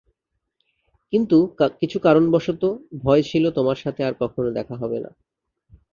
কিছু কারণবশত, ভয় ছিল তোমার সাথে আর কখনো দেখা হবে না।